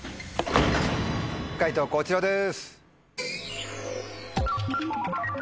解答こちらです。